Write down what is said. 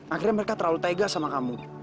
akhirnya mereka terlalu tega sama kamu